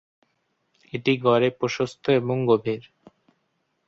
এটি গড়ে প্রশস্ত এবং গভীর।